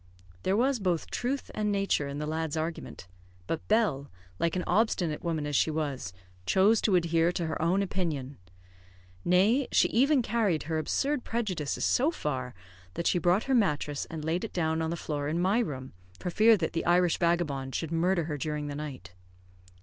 There was both truth and nature in the lad's argument; but Bell, like an obstinate woman as she was, chose to adhere to her own opinion. Nay, she even carried her absurd prejudices so far that she brought her mattress and laid it down on the floor in my room, for fear that the Irish vagabond should murder her during the night.